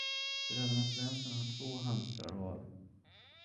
Bröderna Svensson har två hamstrar var.